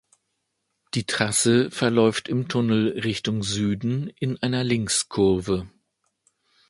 Die Trasse verläuft im Tunnel Richtung Süden in einer Linkskurve.